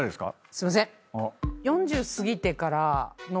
すいません。